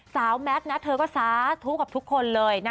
สาวแมทเธอก็สาธุกับทุกคนเลย